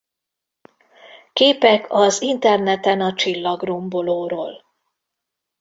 Képek az interneten a csillagrombolóról